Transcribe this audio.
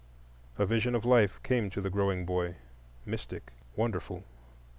A vision of life came to the growing boy,—mystic, wonderful.